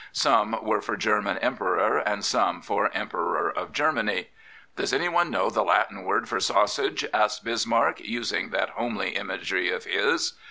Some were for German Emperor, and some for Emperor of Germany. " Does anyone know the Latin word for sausage? asked Bismarck, using that homely imagery of his.